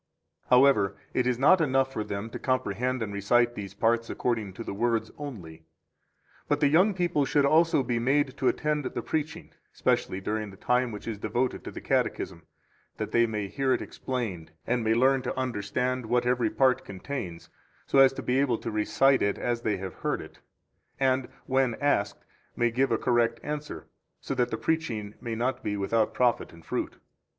26 However, it is not enough for them to comprehend and recite these parts according to the words only, but the young people should also be made to attend the preaching, especially during the time which is devoted to the Catechism, that they may hear it explained, and may learn to understand what every part contains, so as to be able to recite it as they have heard it, and, when asked, may give a correct answer, so that the preaching may not be without profit and fruit.